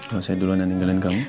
kalau saya duluan yang ninggalin kamu